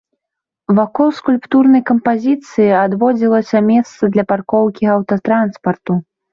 Вакол скульптурнай кампазіцыі адводзілася месца для паркоўкі аўтатранспарту.